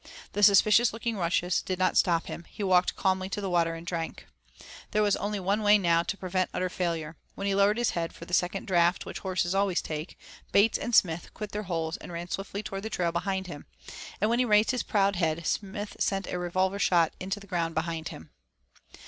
The suspicious looking rushes did not stop him; he walked calmly to the water and drank. There was only one way now to prevent utter failure; when he lowered his head for the second draft which horses always take, Bates and Smith quit their holes and ran swiftly toward the trail behind him, and when he raised his proud head Smith sent a revolver shot into the ground behind him.